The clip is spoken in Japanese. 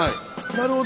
なるほど。